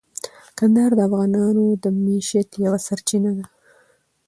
کندهار د افغانانو د معیشت یوه سرچینه ده.